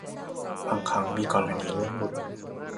บางครั้งมีกรณีเรื่องหลุด